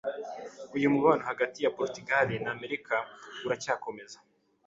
Uyu mubano hagati ya Porutugali na Amerika uracyakomeza.